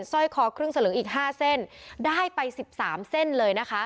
ร้อยคอครึ่งสลึงอีกห้าเส้นได้ไปสิบสามเส้นเลยนะคะ